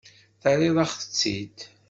Terriḍ-aɣ-tt-id.